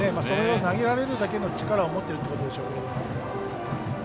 そこに投げられるだけの力を持っているということでしょう。